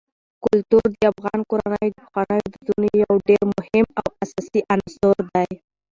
کلتور د افغان کورنیو د پخوانیو دودونو یو ډېر مهم او اساسي عنصر دی.